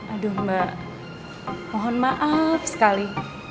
aduh mbak mohon maaf sekali